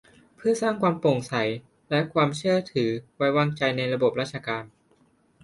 เพื่อสร้างความโปร่งใสและความเชื่อถือไว้วางใจในระบบราชการ